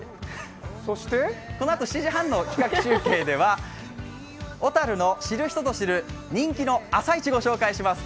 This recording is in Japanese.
このあと７時半の企画中継では小樽の知る人ぞ知る人気の朝市をご紹介します。